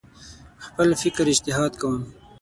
په خپل فکر اجتهاد کوم